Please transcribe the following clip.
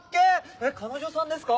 えっ彼女さんですか？